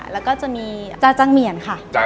แล้วก็จะมีจ้าจังเหมียนค่ะ